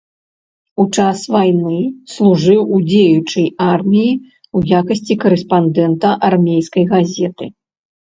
У час вайны служыў у дзеючай арміі ў якасці карэспандэнта армейскай газеты.